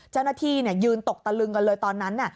เจ้าหน้าที่ยืนตกตะลึงกันเลยตอนนั้น